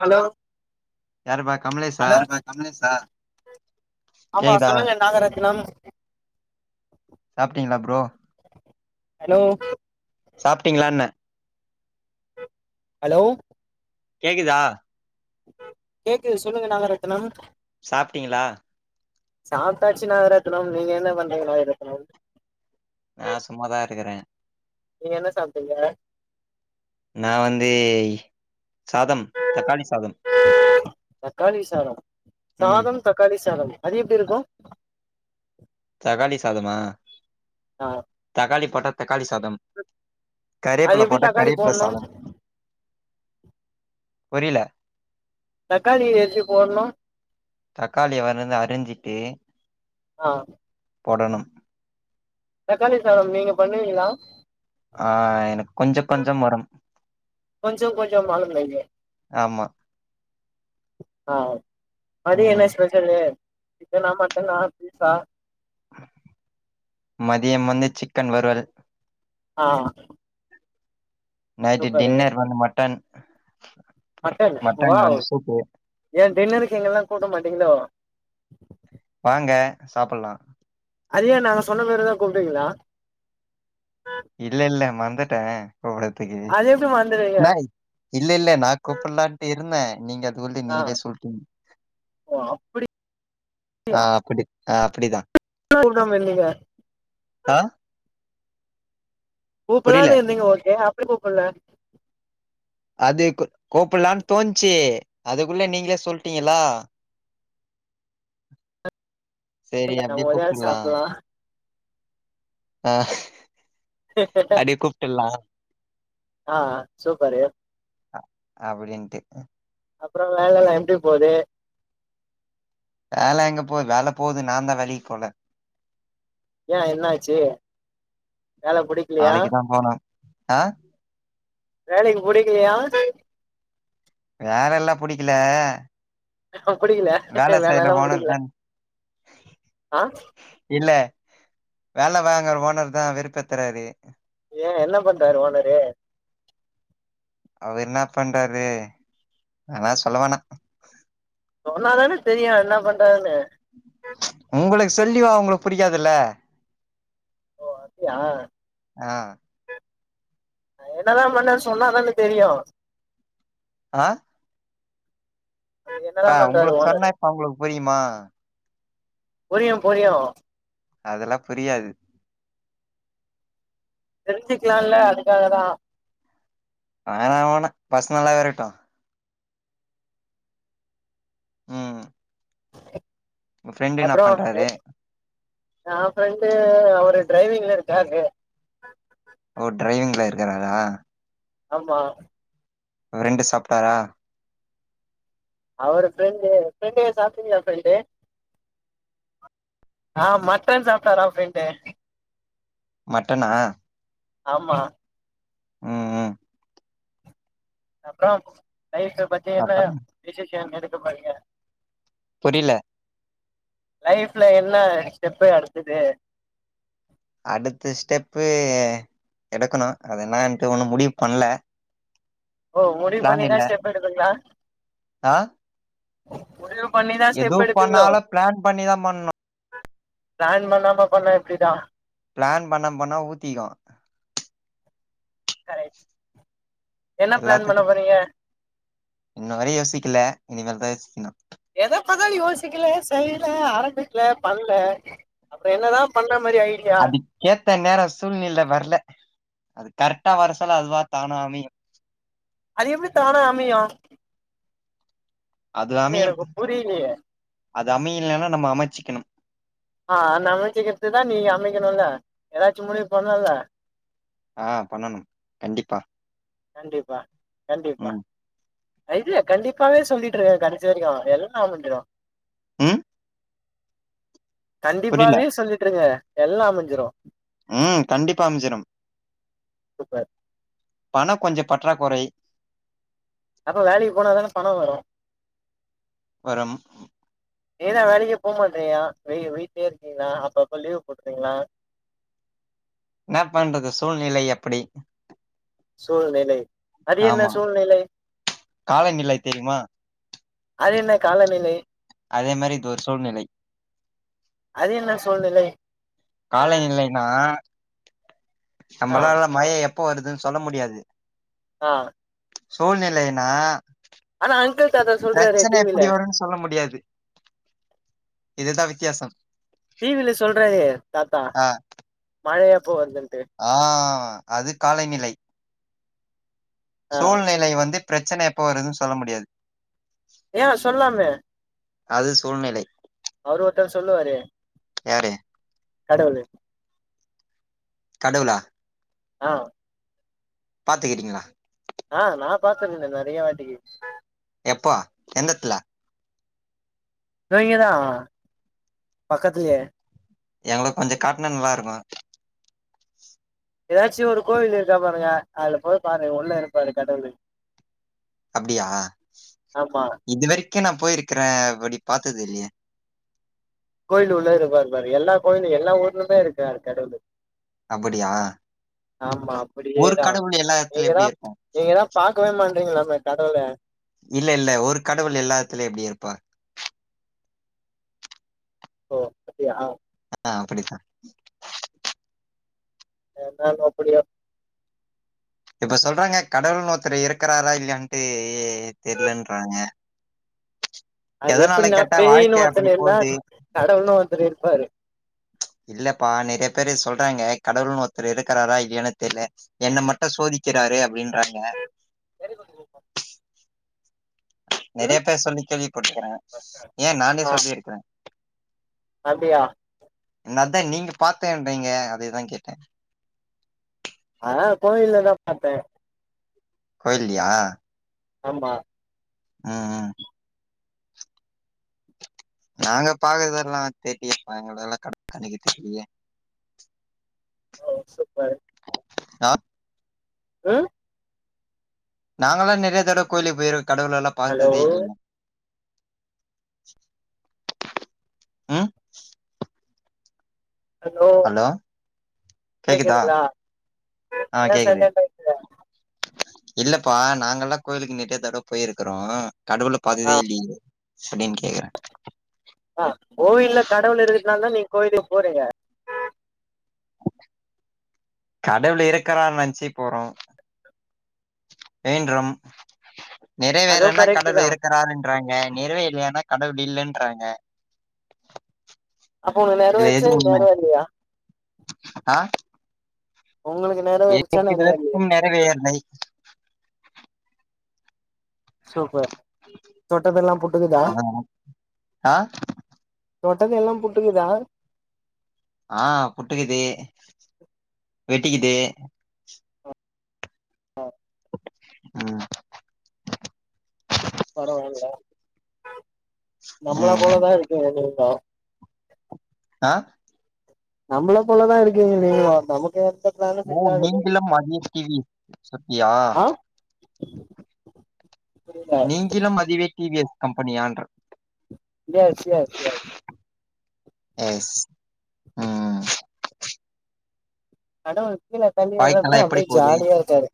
Hello யாருப்பா கமலேஷா hello ஆமா கேக்குதா சொல்லுங்க நாகரத்னம் சாப்ட்டீங்ளா ப்ரோ ஹலோ சாப்ட்டீங்களான்னே ஹலோ கேக்குதா கேக்குது சொல்லுங்க நாகரத்தினம் சாப்ட்டீங்களா சாப்ட்டாச்சு நாகரத்னம் நீங்க என்ன பண்றீங்க நாகரத்னம் நா சும்மாதா இருக்கறே நீங்க என்ன சாப்டீங்க நா வந்து சாதம் தக்காளி சாதம் தக்காளி சாதம் ம் சாதம் தக்காளி சாதம் அது எப்டி இருக்கு தக்காளி சாதமா ஆ தக்காளி போட்ட தக்காளி சாதம் கருவேப்பில அது எப்டி போட்டா தக்காளி கருவேப்பில போட்ணு சாதம் புரியில தக்காளி எப்டி போடணு தக்காளிய வந்து அரிஞ்சிட்டு ஆஹ் போடணும் தக்காளி சாதம் நீங்க பண்ணுவீங்களா ஆஹ் எனக்கு கொஞ்ச கொஞ்சம் வரும் கொஞ்சோ கொஞ்சம் மாலும் வைங்க ஆமா ஆ ஆ மதியோ என்ன ம் ஸ்பெஷலு சிக்கனா மட்டனா பீஃபா மதியம் வந்து சிக்கன் வறுவல் ஆஹ் நைட்டு் டின்னர் வந்து மட்டன் மட்டன் வாவ் வந்து சூப்பு ஏன் டின்னருக்கு எங்களல்லா கூப்ட மாட்டீங்களோ வாங்க சாப்பட்லா ஐயா நாங்க சொன்ன பிறகுதா கூப்டுவீங்களா இல்ல இல்ல. [unintelligible] ட்ட. அவ்ளத்துக்கு அது எப்டி மறந்துடுவீங்க நாய் இல்ல இல்ல நா கூப்புடலான்ட்டு இருந்த. நீங்க. தோழி ஆ நீங்கலே சொல்லிடீங்க ஓ அப்டி ஆஹ அப்படி. ஆஹ அப்டிதா. குடுக்காம என்னங்கற. ஆ புரியல. கூப்பலான்னு இருந்தீங்க ஓகே. ஏ கூப்பல்ல. அது கூ கூப்படலான்னு தோணுச்சு அதுக்குள்ள நீங்களே சொல்லிட்டீங்களா. சரி நம்ம அப்படியே ஒரு நாள் சாப்புடுவா. ஆஹ. அப்டியே கூப்புட்டுல்லா. ஆஹ சூப்பரு. அ அப்படின்ட்டு. அப்புறோ வேலயெல்லா எப்படி போது. வேல எங்க போவுது வேல போகுது நாதா வேலைக்கு போல. ஏ என்ன ஆச்சு. வேல புடிக்கலையா. ஆஹ. வேலைக்கு புடிக்கலயா. வேல எல்லா புடிக்கல. புடிக்கல வேலை வேல செய்ற எல்லா ஓனர் புடிக்கல தான் ஆஹ. வேல வாங்கற ஓனர்ருதா வெருப்பேத்தராரு. ஏ என்ன பன்றாரு ஓனரு. அவர் என்ன பண்றாரு அதுலா சொல்லவோனா. சொன்னாதான தெரியு என்ன பண்றாருனு. ம்ச் உங்களுக். சொல்லி அவங்கள புடிக்காதுல்ல. ஓ அப்படியா. ஆ எ என்னதா பண்ணாருனு சொன்னாதான தெரியு. ஆஹ. என்னதா இப்ப பண்றாரு உங்களுக்கு சொன்னா ஓனரு இப்ப அவங்களுக்கு புரியுமா. புரியு புரியு. அதெல்லா புரியாது. தெரிஞ்சுக்கலால்ல அதுக்காகதா. வேணா வேணா பர்சனலாவே இருக்கட்டு. உஹம். [inaudible] அப்புறோ எ பண்றாரு எ ஃப்ரெண்டு அவரு. டிரைவிங்ல இருக்காரு ஓ ட்ரைவிங் ல க்குறாரா ஆமா ரெண்டு சாப்ட்டாரா அவர் ஃரெண்ட ஃரெண்ட ஏ சாப்டிங்களா ஃப்ரெண்டு ஆஹ் மட்டன் சாப்புட்டாரா ப்ஃரெண்டு மட்டனா ஆமா உஹம் உஹம் அப்புறோ லைப் பத்திய அப்புற எல்லாம் விசேஷ எ [unintelligible] புரியில லைஃப்ல என்ன ஸ்டெப்பு அடுத்தது அடுத்த ஸ்டெப்பு எடுக்கணும் அது என்னட்டு ஒண்ணு முடிவு பண்ல ஓ முடி பிளான் பண்ணிதா இல்ல ஸ்டெப் எடுப்பீங்ளா [inaudible] ஆ எது பண்ணாலும் பிளான் பண்ணிதான் பண்ணனும் பிளான் பண்ணாமபண்ண இப்டிதா பிளான் பண்ண போனாஊத்திக்கு கரெக்ட் என்ன பிளான் பண்ண எல்லாத்துக்கும் போறீங்க இன்ன வரையும் யோசிக்குல இனிமல்தான் யோசிக்குனும் எதை பதால யோசிக்கல செய்யல ஆரம்பிக்கல பண்ணல அதுக்கேத்த நேரம் சூழ்நிலவர்ல கரெக்டா வர சொல் அதுவா தானா அமையு அது எப்படி தானா அமையு அது இல்ல அமையும் எனக்கு புரியிலியே அது அமையில்லன்னா நம்ம அமைச்சிக்கணும் ஆஹ் அன் அமைச்சிக்கிறதுதான் நீ அமைக்கணும்ல ஏதாச்சும் முடிவு பண்ணும்ல்ல ஆஹ் பண்ணணும் கண்டிப்பா கண்டிப்பா கண்டிப்பா ம் இது கண்டிப்பாவே சொல்லிட்டு இருக்கேன் கடச்சி வரைக்கும் எல்லா அமஞ்சிரும் உம் கண்டிப்பாவே சொல்லிட்டுருங்க எல்லாம் அமைஞ்சிரும் உம் கண்டிப்பா அமஞ்சிரு சூப்பர் பணம் கொஞ்சம் பற்றாக்குறை அப்போ வேலைக்கு போனாதானே பணம் வரும் வரம் நீ தா வேலைக்கே இது போக மாட்டறியா வெய வீட்லய இருக்கீங்களா அப்பப்ப லீவ் போட்டுறீங்களா என் பண்றது சூழ்நிலை எப்படி சூழ்நிலை அது என்ன ஆமா சூழ்நிலை காலநிலை தெரியுமா அது என்ன கால நிலை அதே மாரி இது ஒரு சூழ்நிலை அது என்ன சூழ்நிலை காலநிலையினா ஆ நம்மல்லாம் ஒரு மயையம் எப்ப வருதுன்னு சொல்ல முடியாது ஆ சூழ்நிலையினா ஆனா அங்கில் பிரச்சனை எப்படி வரும்ன்னு சொல்ல முடியாது இதுேதான் வித்தியாசம் டிவில சொல்றாறு தாத்தா மழை எப்ப வருதுன்னு ஆ ஆ அது காலைநிலை ஆ சூழ்நிலை வந்து பிரச்சனை எப்ப வருதுன்னு சொல்ல முடியாது ஏன் சொல்லாமே அது சூழ்நிலை அவர் ஓருதர் சொல்லுவாரு யாரு கடவுளு கடவுளா ஆ பாத்துக்கிறீங்களா ஆ நான் பார்த்திருந்தே நிறைய வாட்டிக்கு எப்போ எந்தத்துல இதோ இங்கதா பக்கத்திலே எங்களுக்கு கொஞ்சம் காட்டினா நல்லா இருக்கும் ஏதாச்சும் ஒரு கோவில் இருக்கா பாருங்க அதுல போய் பாருங்க உள்ள இருப்பாரு கடவுள் அப்படியா இதுவரைக்கும் நான் போயிருக்கிறேன் படி பாத்தது இல்லையே கோயிலு உள்ள இரு பாரு பாரு எல்லா கோயில எல்லா ஊர்லயுமே இருப்பாரு கடவுள் அப்படியா ஆமா ஒரு அப்படியேதான் கடவுள் எல்லா இடத்துல எப்படி நீங்கதான் இருக்கும் நீங்கதான் பார்க்கவே மாட்ட நீங்களாமே கடவுல இல்ல இல்ல ஒரு கடவுள் எல்லாத்துல எப்படி இருப்பா ஓ அப்டியா ஆஹ் அப்டித்தான் நாங்கோ அப்டியா இப்ப சொல்றாங்க கடவுள் ஒருத்தர் இருக்கிறாரா இல்லான்ட்டு தெரியலறாங்க அது எப்படினாபெயின்னு வாழ்க்கை அப்படி ஒருத்தனே இருந்தா போகுது கடவுள்னு இருப்பரு இல்லப்பா நிறைய பேரு சொல்றாங்க கடவுள்னு ஒருத்தர் இருக்கிறாரா இல்லலன்னு தெர்ல என்ன மட்டும் சோதி வக்கிறாரு அப்படின்றாங்க நெறைய ம் பேர் சொல்லி கேள்விப்பட்டுக்கே ஏன் நானே ஆ சொல்லிருக்கே அப்டியா என்ன தான் நீங்க பாத்தேன்றீங்க அதேதா கேட்டே போய்யில்லதா பாத்தே கோயிலியா ஆமா உம் உம் நாங்க பாக்குறதெல்லாம் தெரியப்ப எங்களெல்லாம் கண்ணிக்கிட்டு தெரியே ஓ சுப்பர் ஆஹ உஹம் நாங்கல்லாம் நெறைய தடவ கோயிலேக்கு போயிருக் கடவுள் லல்லாம் ஹலோ பாத்ததே இல்ல ஹம் ஹலோ கேக்குதா கேக்குதுங்களா ஆ ஏன் கேக்குது சைலண்ட்டா இருக்க இல்லப்பா நாங்கல்லாம் கோயிலுக்கு நெறைய தட போயிருக்குறோம் கடவுள பா்த்ததே இல்லங்க அப்டின்னு கேக்குறேன் அதனால தான் நீங்க கோயிலுக்கு போறீங்க கடவுள் இருக்குறான்னு நினச்சி போறோம் வேண்றம் அதுவும் நிறைவேறுன கரெக்ட் கடவுள் தான் இருக்கிறாருன்றாங்க நிறைவேருலனா கடவுள் இல்லன் ன்றாங்க அப்ப உனக்கு நேர வேரிருச்சா நெர வேர்லயா ஆ எனக்கு இது வரைக்கும்நிறவேர்லை சூப்பர் தொட்டதெல்லாம் புட்டுக்குதா ஆ, ஆ தொட்டதெல்லாம் புட்டுக்குதா வெட்டிக்கிது ஆஹ [inaudible] பரவால நம்மள ம். போலதான் இருக்கே ஹலோ ஆஹ. நம்மள போலதா இருக்கீங்க நீங்களு நமக்கு. [unintelligible] ஓ ஆகுது நீங்களு மதியம் டிவி சத்தியா. ஆ புரியல நீங்கிலும் மதிவே டிவிஎஸ். கம்பெனி ஆன்டர். எஸ் எஸ் எஸ். எஸ் உம். கட ஒரு. கீழ தள்ளி விடறதுனா வாழ்க்கைலாம் எப்படி அப்டியே போகுது ஜாலியா இருக்காரு.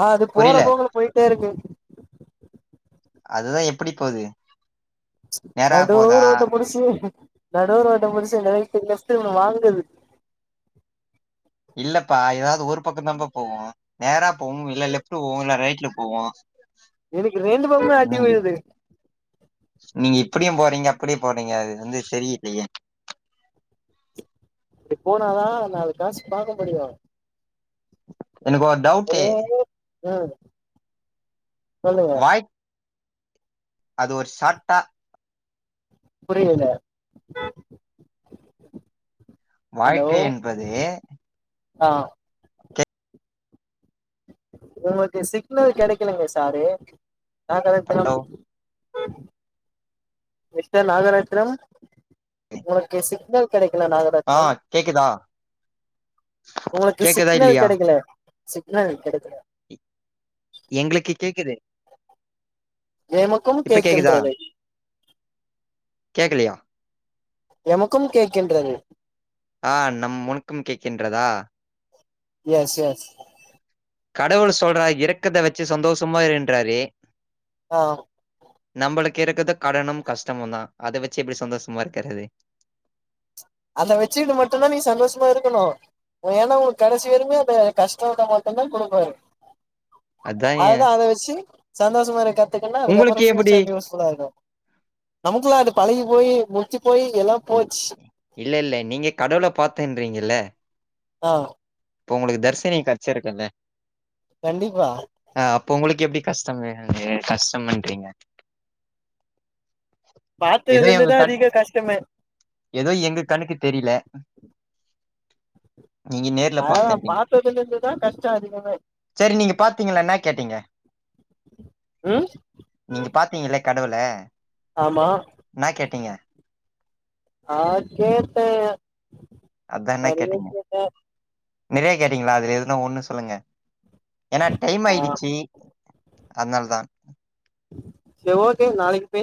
ஆ அது போற புரியல போக்குல போயிட்டே இருக்கு. அதுதா எப்டி போது. ம்ச் நடு‌ ரோட்ட புடுச்சு. நடுரோட்ட புடுச்சு [unintelligible] வாங்குனது. இல்லப்பா ஏதாவது ஒரு பக்கந்தாப்பா போவு. நேரா போவும் இல்ல லெஃப்ட்ல போவும் இல்ல ரைட்ல போவும். எனக்கு ரெண்டு பக்கமே அடி விழுது. இப்படியும் போறீங்க அப்படியும் போறீங்க அதுலருந்து சேரி இப்ப எ. இப்டி போனாத நாலு காசு பாக்க முடியு. [inaudible] எனக்கு ஒரு டவுட்டு. உஹம். சொல்லுங்க. வாய் அது ஒரு ஷாட்டா. புரியல. வாழ்க்கை என்பதே. ஆஹ. உங்களுக்கு சிக்னல் கெடைக்கலங்க sir. Nagarathinam. Hello [unintelligible] mister Nagarathinam. உனக்கு சிக்னல். ல்ல ஆ நாகரத்தினம். கேக்குதா உங்களுக்கு கேக்குதா சிக்னல் இல்லையா கெடைக்கல. சிக்னல் கெடைக்கல. எ- எங்களுக்கு கேக்குது. நேமக்கும் இப்ப கேக்குதா கேக்கின்றது. கேக்கலையா எமக்கும் கேக்கின்றது. ஆஹ நம் முன்கும் கேக்கின்றதா. S S. கடவுள் சொல்றா இறக்கத்த வச்சு சந்தோஷமா இருன்றாரு. ஆஹ. நம்மளுக்கு இருக்கத கடனும் கஷ்டமும் தான் அதை வச்சு எப்படி சந்தோஷமா இருக்கிறது அதை வச்சுக்கிட்டு மட்டும்தான் நீ சந்தோஷமா இருக்கணும் ஏன்னா உனக்கு கடைசி வருமே அந்த கஷ்ட மட்டும்தான் கொடுப்பாரு அதான் ஏன் அதுதான் அதவச்சி சந்தோசமா இருக்க இரு உங்களுக்கு அதுக்கப்புறம் எப்படி பியூச்சர்ல யுஸ்புல்லா இருக்கும் நமக்குல்லாம் அது பழகி போய் போய் எல்லாம் போச்சு இல்ல இல்ல நீங்க கடவுள பாத்தேன்றீங்கள ஆஹ் இப்ப உங்களுக்கு தர்ஷினி கச்சி இருக்குல்ல கண்டிப்பா உங்களுக்கு எப்படி கஷ்டமேவே கஷ்டம்ன்றீங்க ஏதோ எங்க பாத்ததுருந்துதா கண் அதிக கஷ்டமே ஏதோ எங்க கண்ணுக்கு தெரியில நீங்க நேர்ல அதா பார்த்தீங்க பாத்ததுல இருந்துதா கஷ்டோ அதிகமே சரி நீங்க பாத்தீங்களா நா கேட்டீங்க ம் நீங்க பாத்தீங்கள கடவுள என்னா கேட்டீங்க ஆஹ் கேட்டே அத்தான் என்ன நெறைய கேட்டீங்க கேட்டே நெறைய கேட்டீங்களா அதுல எது எதுனா ஒண்ணு சொல்லுங்க ஏனா டைம் ஆ ஆயிடுச்சு அதனால தான் சரி ஓகே நாளைக்கு பே